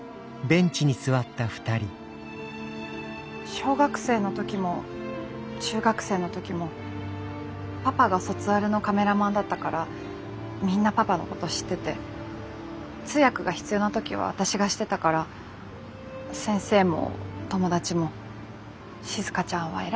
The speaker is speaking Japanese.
小学生の時も中学生の時もパパが卒アルのカメラマンだったからみんなパパのこと知ってて通訳が必要な時は私がしてたから先生も友達も静ちゃんは偉いね親孝行だねって。